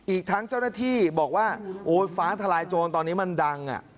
อีกทั้งเจ้าหน้าที่บอกว่าโอ๊ยฟ้าทลายโจรตอนนี้มันดัง